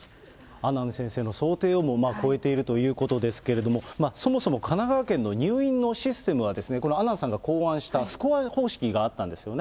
阿南先生の想定をも超えているということですけれども、そもそも神奈川県の入院のシステムは、この阿南さんが考案したスコア方式があったんですよね。